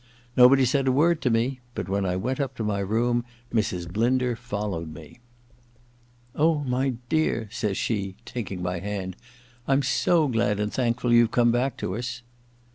Nobody said a word to me then, but when I went up to my room, Mrs. Blinder followed me. *Oh, my dear,' says she, taking my hand, 'I'm so glad and thankful you've come back to us